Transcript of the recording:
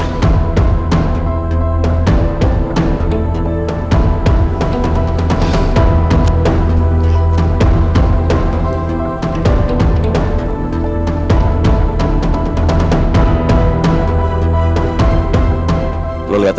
lihatlah saja raja